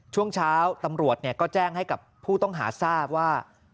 ช่วงเช้าตำรวจก็แจ้งให้กับผู้ต้องหาทราบว่า